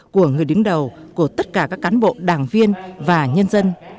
của người đứng đầu của tất cả các cán bộ đảng viên và nhân dân